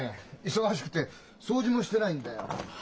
忙しくて掃除もしてないんだよ。